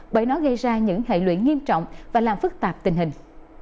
bởi nó gây ra những hệ lụy nghiêm trọng và làm phức tạp tình hình